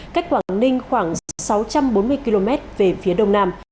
cách quảng ninh khoảng sáu trăm bốn mươi km về phía đông nam